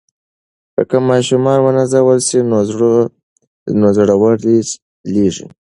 که ماشومان ونازول سي نو زړور لویېږي.